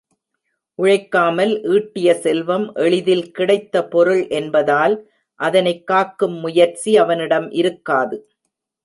உழைக்காமல் ஈட்டிய செல்வம் எளிதில் கிடைத்த பொருள் என்பதால் அதனைக் காக்கும் முயற்சி அவனிடம் இருக்காது.